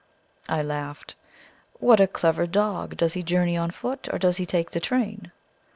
I laughed. "What a clever dog! Does he journey on foot, or does he take the train?"